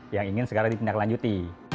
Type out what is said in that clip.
yang ingin sekarang dipindahkan lanjuti